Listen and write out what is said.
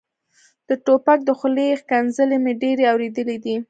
د ټوپک د خولې ښکنځلې مې ډېرې اورېدلې دي.